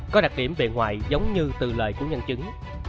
có đặc điểm về ngoại giống như từ lời của nhân chứng